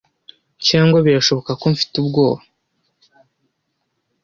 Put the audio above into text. Cyangwa birashoboka ko mfite ubwoba.